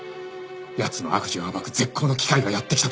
奴の悪事を暴く絶好の機会がやって来たと思った。